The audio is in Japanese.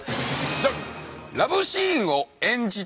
じゃん！